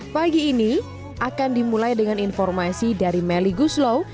pagi ini akan dimulai dengan informasi dari melly guslow